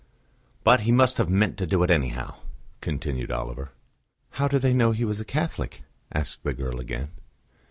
"But he must have meant to do it anyhow," continued Oliver. "How do they know he was a Catholic?" asked the girl again.